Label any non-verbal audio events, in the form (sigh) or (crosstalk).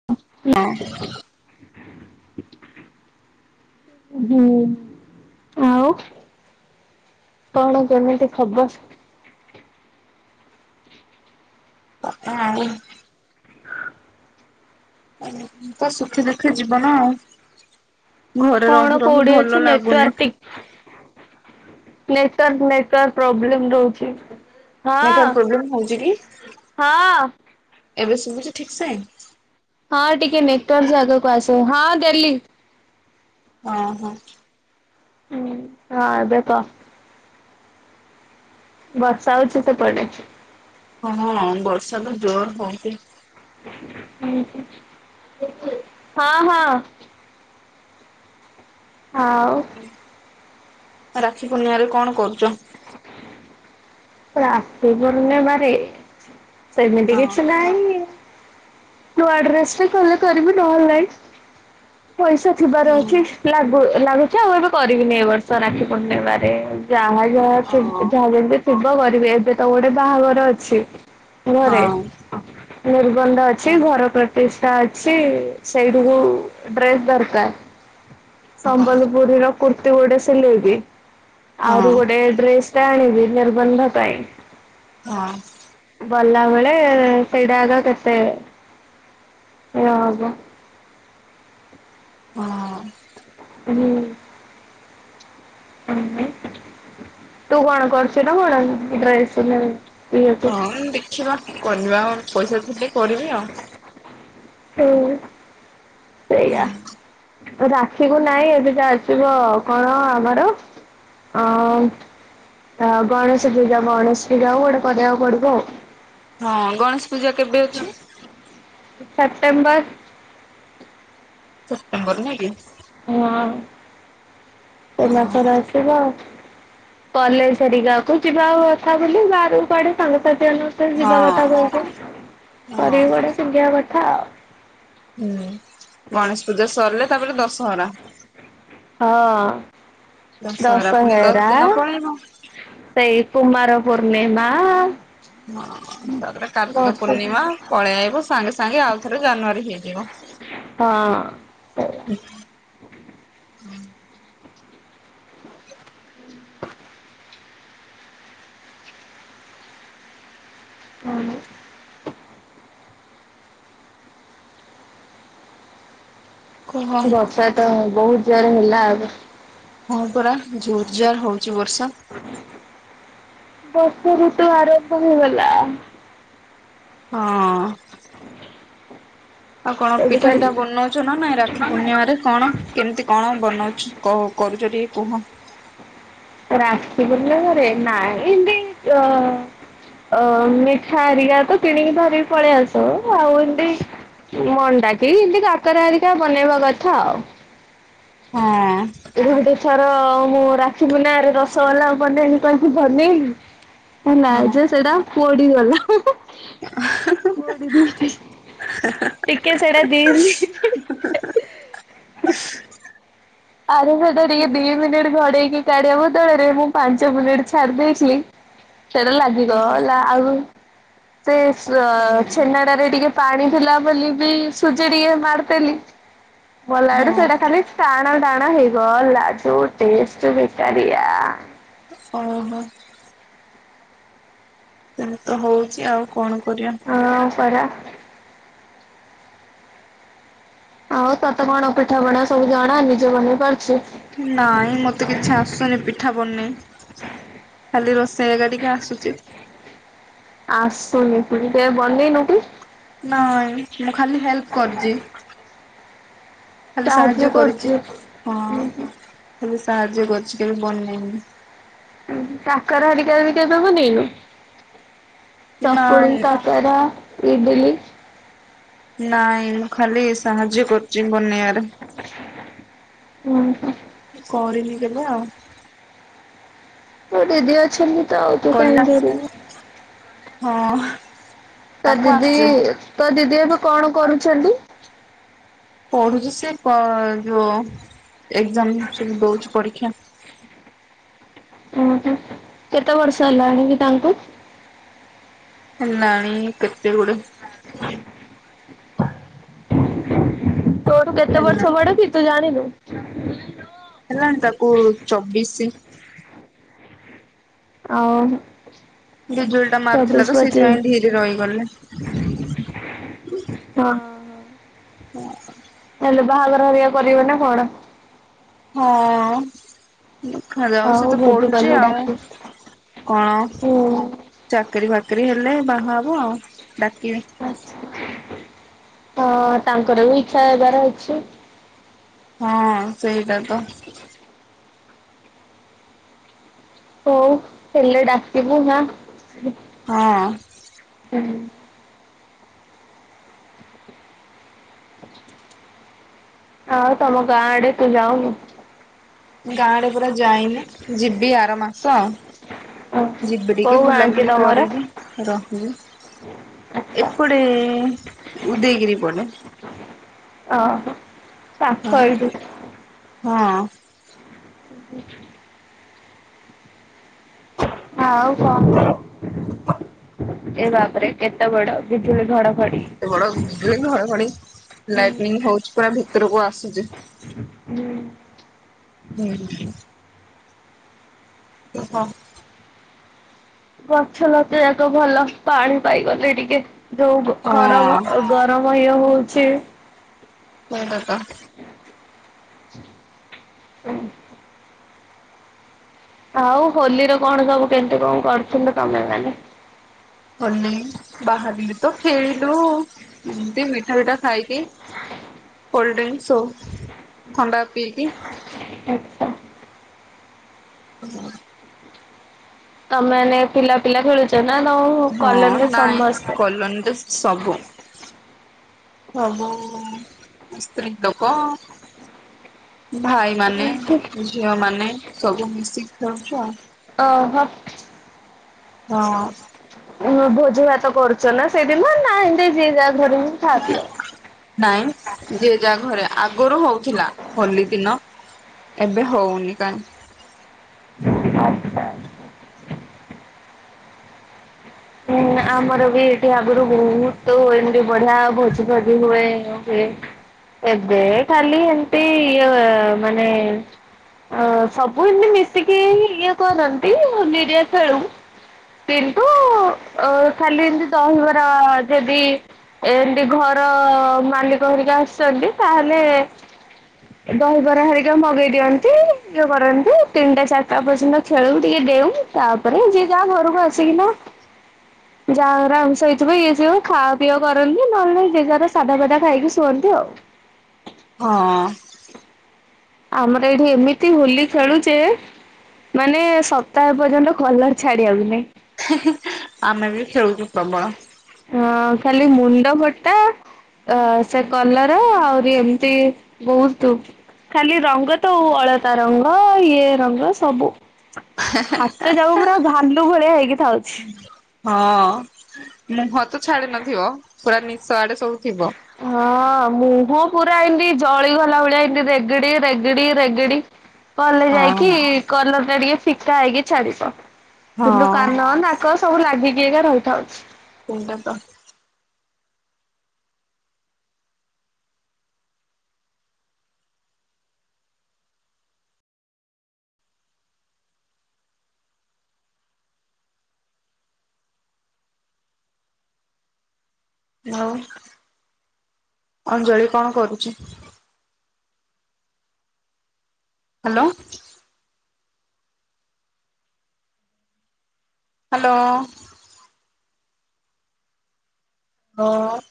ହଁ। ହୁଁ ଆଉ କଣ କେମିତି ଖବର? ହଁ। ତ ସୁଖୀ ଦୁଃଖୀ ଜୀବନ ଆଉ। ଘରେ କଣ ରହି ରହି କୋଉଠି ଅଛି ଭଲ ଲାଗୁନି। ନେଟୱାର୍କ ଟି ନେଟୱାର୍କ ନେଟୱାର୍କ ପ୍ରୋବ୍ଲେମ ରହୁଛି। ହଁ ନେଟୱାର୍କ ପ୍ରୋବ୍ଲେମ ହଉଛି କି? ହଁ। ଏବେ ଶୁଭୁଛ ଠିକସେ? ହଁ ଟିକେ ନେଟୱାର୍କ ଆଗକୁ ଆସ ହଁ ଗେଲି। ହଁ ହଁ। ହଁ ଏବେ କହ। ବର୍ଷା ହଉଛି ସେପଟେ? ହଁ ବର୍ଷା ତ ଜୋରେ ହଉଛି। ହଁ ହଁ। ଆଉ। ରାକ୍ଷୀ ପୂର୍ଣ୍ଣିମା ରେ କଣ କରୁଛ? ରାକ୍ଷୀ ପୂଣ୍ଣିମାରେ ସେମିତି ହଁ କିଛି ନାଇଁ। ନୂଆଡ୍ରେସ ବି କଲେ କରିବି ନ ହେଲେ ନାଇ ପଇସା ଥିବାର ହଁ ଅଛି। ଲାଗୁ ଲାଗୁଛି ଆଉ ଏବେ କରିବିନି ଏ ବର୍ଷ ରାକ୍ଷୀ ପୂର୍ଣ୍ଣିମାରେ ଯାହା ଯାହା ହଁ ଥିବ ଯାହା ଯେମିତି ଥିବ କରିବି ଏବେ ତ ଗୋଟେ ବାହାଘର ଅଛି। ଘରେ ହଁ ନିର୍ବନ୍ଧ ଅଛି ହଁ ଘର ପ୍ର ତିସା ଅଛି ସେଇଠିକୁୁ ଡ୍ରେସ୍ ଦରକାର। ହଁ ହଁ ସମ୍ବଲପୁରୀ ର କୁର୍ତ୍ତୀ ଗୋଟେ ସିଲେଇବି ଆହୁରୁ ଗୋଟେ ଡ୍ରେସ ତା ଣିବି ନିର୍ବନ୍ଧ ପାଇଁ ହଁ। ବଲାବେଳେ ସେଇଟା ଆକ କେତେ ଇଏ ହବ? ହଁ (unintelligible) ହୁଁ। ହୁଁ ତୁ କଣ କରୁଛୁ ନା କଣ ଡ୍ରେସ ସିଲେଇ? ହଁ ଦେଖିବା କରିବା ଆ ପଇସା ଥିଲେ କରିବି ଆଉ। ହୁଁ ସେଇଆ। ରାକ୍ଷୀକୁୁ ନାଇଁ ଏବେ ଯା ଆସିବ କଣ ଆମର ଅ ଗଣେଶ ପୂଜା ଗଣେଶ ପୂଜା କୁ ଗୋଟେ କରିବାକୁ ପଡିବ ଆଉ। ହଁ ଗଣେଶ ପୂଜା କେବେ ଅଛି? ସେପ୍ଟେମ୍ବର ସେପ୍ଟେମ୍ବର ନାଁ କି? (unintelligible) ଏଇ ମାସରେ ହଁ ଆସିବ ଆଉ। କଲେଜ ସରିକା କକୁ ଯିବା କଥା ବୁଲି ବାହାରକୁ କୁଆଡେ ସାଙ୍ଗସାଥି ମାନଙ୍କୁ ଯିବା କଥା ହଁ କହୁଚି ହଁ। କରିକୀ ଗୋଟେ ପିନ୍ଧିବା କଥା ଆଉ। ହୁଁ ଗଣେଶ ପୂଜା ସରିଲେ ତାପରେ ଦଶହରା। ହଁ ଦଶହରା ପୁଣି ଦଶ ଦଶହେରା। ଦିନ ପଳେଇବ। ସେଇ କୁମାର ପୂର୍ଣ୍ଣିମା। ହଁ ତାପରେ କାର୍ତ୍ତିକ ବର୍ଷ ହଁ ପୂର୍ଣ୍ଣିମା ପଳେଇ ଆଇବ ସାଙ୍ଗେ ସାଙ୍ଗେ ଆଉ ଥରେ ଜାନୁଆରୀ ହେଇଯିବ। ହଁ ସେଇଆ। ହୁଁ। କୁହ ବର୍ଷା ତ ବହୁତ ଜୋର ହେଲା ଆଉ। ହଁ ପରା ଜୋର ଜୋର ହଉଛି ବର୍ଷା। ବର୍ଷ ଋତୁ ଆରମ୍ଭ ହେଇଗଲା। ହଁ। ଆଉ କଣ ଏବେ ପିଠା କାଲି ଫିଠା ବନଉଛ ନା ନାଇଁ ରାକ୍ଷୀ ପୂର୍ଣ୍ଣିମାରେ? କଣ କେମିତି କଣ ବନାଉଛି କ କରୁଛ ଟିକେ କୁହ? ରାକ୍ଷୀ ପୂଣ୍ଣିମାରେ ନାଇ ହେମିତି ଯ ଅ ମିଠା ହେରିକା ତ କିଣିକି ଧରିକି ପଳେଇ ଆଶୁ ଆଉ ଏମିତି ମଣ୍ଡା କି ଏମିତି କାକରା ହେରିକା ବନେଇବା କଥା ଆଉ। ହଁ। ଏ ଗୋଟେ ଥର ମୁଁ ରାକ୍ଷୀ ପୂର୍ଣ୍ଣିମାରେ ରସଗୋଲା ପନେଇବି କହିକି ବନେଇଲି। ନାଇ ହଁ। ଯେ ସେଟା ପୋଡିଗଲା। ପୋଡ଼ି ଦି ଟିକେ ସେଟା ଦେଇ ମି ଆରେ ସେଟା ଟିକେ ଦି ମିନିଟ ଘଡେଇକି କାଢିବା ବଦଳରେ ମୁଁ ପାଞ୍ଚ ମିନିଟ୍ ଛାଡି ଦେଇେଇଥିଲି। ସେଇଟା ଲାଗିଗଲା ଆଉ ସେ ଛେନାଟାରେ ଟିକେ ପାଣି ଥିଲା ବୋଲି ବି ସୁଜି ଟିକେ ମାରିଦେଲି। ଗଲାଆଡୁ ହଁ ସେଇଟା ଖାଲି ଷ୍ଟା (inaudible) ଟେଷ୍ଟ ବେକାରିଆ ଓ ହୋ। ନାଇଁ ତ ହଉଛି ଆଉ କଣ କରିବା? ହଁ ପରା। ଆଉ ତତେ କଣ ପିଠା ପଣା ସବୁ ଜଣା ନିଜେ ବନେଇ ପାରୁଛି? ନାଇଁ ମତେ କିଛି ଆସୁନି ପିଠା ବନେଇ। ଖାଲି ରୋଷେଇ ଜଗା ଟିକେ ଆସୁଛି। ଆସୁନି ବନେଇ ନୁକି କି। ନାଇଁ ମୁଁ ଖାଲି ହେଲ୍ପ କରିଛି। ଖାଲି ସାହାଯ୍ୟ କରିଛି ହଁ ଖାଲି ସାହାଯ୍ୟ କରିଛି କେବେ ବନେଇନି। କାକରା ହାରିକା ବିି ଦେଇନୁ। ଚକୁଳି ନାଇଁ କାକାରା ଇଟିଲି। ନାଇଁ ମୁଁ ଖାଲି ସାହାଯ୍ୟ କରୁଛି ବନେଇବାରେ। ହୁଁ। କରିନି କେବେ ଆଉ। ତ ଦିଦି ଅଛନ୍ତି। ତ ତୁ କଲେ କହି କରଥିଲ ଆସିବ ହଁ ତ ତାକୁ ଦିଦି ଆସୁଛି। ତ ଦିଦି ଏବେ କଣ କରୁଛନ୍ତି? ପଢୁଛି ସେ ଯୋଉ ଏକ୍ଜାମ ସବୁ ଦଉଛି ପରୀକ୍ଷା। ଓ ହ କେତେ ବର୍ଷ ହେଲା ଆଣିକି ତାଙ୍କୁ। ନାଇଁ ହେଲାଣି କେତେ ଗୁଡେ। ତୋଠୁ କେତେ ହେଲା ବର୍ଷ ବଡ କି ତୁ ଜାଣିନୁ? ହେଲାଣି ତାକୁ ଚବିସି। ଆଉ ବିଜୁଳିଟା ମାରୁଥିଲା ଚବିଶ ତ ପଚିଶ ସେଇଥିପାଇଁ ଏଇଠି ଟିକେ ରହିଗଲି। ହଁ। ହ (unintelligible) ହେଲେ ବାହାଘର ହରିଆ କରିବ ନା କଣ? ହଁ। ଦେଖାଯାଉ ସେ ହଉ ତ ଭୋଜି ପଢୁଛି କଲେ ଆଉ ଡାକିବୁ। କଣ? ହୁଁ ଚାକିରି ବାକିରି ହେଲେ ବାହା ହବ ଆଉ ଡାକିବି। ଆଛା ହଁ ତାଙ୍କର ବି ଇଚ୍ଛା ହେବାର ଅଛି। ହଁ ସେଇଟା ତ। ହଉ ହେଲେ ଡାକିବୁ ହଁ ହଁ। ହୁଁ ହୁଁ। ଆଉ ତମ ଗାଁ ଆଡେ ତୁ ଯାଉନୁ? ଗାଁ ଆଡେ ପରା ଯାଇନି ଯିବି ଆର ମାସ। ଓହୋ ଯିବି ଟିକେ କୋଉ ଗାଁ କି ବୁଲାବୁଲି ତମର? କରିବି ରହିବି। ଏପଟେ ଉଦୟଗିରି ପଟେ। ଓ ହୋ। ହୁଁ ହଁ। (inaudible) ହ ଆଉ କଣ ଏ ବାପରେ କେତେ ବଡ ବିଜୁଳି ଘଡ ଘଡି। କେତେ ବଡ଼ ବିଜୁଳି ଘଡ ଘଡି ଲାଇଟନିଙ୍ଗ ହଉଚି ପୁରା ଭିତରକୁ ଆସୁଚି। ହୁଁ ହୁଁ। ହଁ। ଗଛ ଲତା ଯାକ ଭଲ ପାଣି ପାଇଗଲେ ଟିକେ ଯୋଉ ଖରାମ ହଁ ଗର ଗୁଳି ହଉଚି ସେଇ କଥା। ଆଉ ହୋଲିର କଣ ସବୁ କେମତି କଣ କରିଥିଲ ତମେ ମାନେ? ହୋଲି ବାହାରିଲୁ ତ ଖେଳିଲୁ ଏମିତି ମିଠା ପିଠା ଖାଇକି କୋଲଡ୍ରିଂଙ୍କସ ସୋପ। ଥଣ୍ଡା ପିଇକି ଆଚ୍ଛା। (inaudible) ତମେ ମାନେ ପିଲା ପିଲା ଖେଳୁଚ ନା ତମ ହଁ କଲୋନି ରେ ନାଇଁ ସମସ୍ତେ? (unintelligible) ସବୁ ସବୁ ସ୍ତ୍ରୀ ଲୋକ ଭାଇ ମାନେ ଝିଅ ମାନେ ସବୁ ମିସିକି ଖେଳୁଚୁ ଆଉ। ଓ ହୋ। ହଁ। ହୁଁ ଭୋଜି ଭାତ କରୁଚ ନା ସେଇଦିନ ନା ଏମିତି ଯିଏ ଯାହା ଘରେ ହିଁ ଖାଅ ପିଅ। ନାଇଁ ଯିଏ ଯାହା ଘରେ। ଆଗରୁ ହଉଥିଲା ହୋଲି ଦିନ। ଏବେ ହଉନି କାଇଁ। ଆଛା ଆ ହୁଁ ଆମର ବି ଏଠି ଆଗରୁ ବହୁତ ଏମିତି ବଢିଆ ଭୋଜି ଫୋଜି ହୁଏ। (inaudible) ଏବେ ଖାଲି ଏମିତି ଇଏ ମାନେ ଆ ସବୁ ଏମିତି ମିଶିକି ଇଏ କରନ୍ତି ହୋଲି ରେ ଖେଳୁ। କିନ୍ତୁ ଅ ଖାଲି ଏମିତି ଦହିବରା ଯଦି ଏମିତି ଘର ମାଲିକ ହେରିକା ଆସିଚନ୍ତି ତାହେଲେ ହୁଁ ଦହିବରା ହେରିକା ମଗେଇ ଦିଅନ୍ତି। ଇଏ କରନ୍ତି। ତିନିଟା ଚାରିଟା ପର୍ଯ୍ୟନ୍ତ ଖେଳୁ ଟିକେ ଡେଉ। ତାପରେ ଯିଏ ଯାହା ଘରକୁ ଆସିକି ନା ଯାହା ଘରେ ଆମିଷ ହେଇଥିବ ଇଏ ସିବ ଖାଅ ପିଅ କରନ୍ତି, ନହେଲେ ନାହିଁ ଯାହାର ସାଧା ଫାଧା ଖାଇକି ଶୁଅନ୍ତି ଆଉ। ହଁ। ଆମର ଏଇଠି ଏମିତି ହୋଲି ଖେଳୁଯେ ମାନେ ସପ୍ତାହ ପର୍ଯ୍ୟନ୍ତ କଲର ଛାଡିବାକୁ ନାଇଁ। ଆମେ ବି ଖେଳୁଚୁ ପ୍ରବଳ। ହଁ ଖାଲି ମୁଣ୍ଡ ଫଟା ଅ ସେ କଲର୍ ଆହୁରି ଏମିତି ବହୁତ ଖାଲି ରଙ୍ଗ ତ ଅଳତା ରଙ୍ଗ ଇଏ ରଙ୍ଗ ସବୁ। ହାତ ଯାକ ପୁରା ଭାଲୁ ଭଳିଆ ହେଇକି ଥାଉଚି। ହଁ ମୁହଁ ତ ଛାଡି ନଥିବ ପୁରା ନିଶ ଆଡେ ସବୁ ଥିବ। ହଁ ମୁହଁ ପୁରା ଏମତି ଜଳିଗଲା ଭଳିଆ (unintelligible) ରେଗଡି-ରେଗଡି-ରେଗଡି କଲେ ଯାଇକି ହଁ କଲର ଟା ଟିକେ ଫିକା ହେଇକି ଛାଡିବ। କିନ୍ତୁ ହଁ କାନ ନାକ ସବୁ ଲାଗିକି (unintelligible) ଏକା ରହିଥାଉଛି। (inaudible) ଆଉ ଅଞ୍ଜଳି କଣ କରୁଚି? ହାଲୋ। ହାଲୋ। (unintelligible)